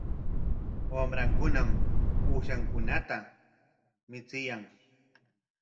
Wamrankunam uushankunata michiyan.